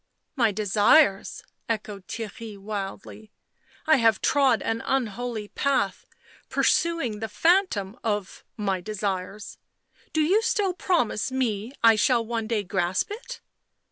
" My desires !" echoed Theirry wildly. " I have trod an unholy path, pursuing the phantom of — my desires ? Do you still promise me I shall one day grasp it?"